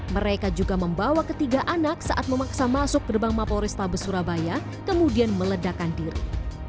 mereka juga membawa ketiga anak saat memaksa masuk gerbang maporista besurabaya kemudian meledakan diri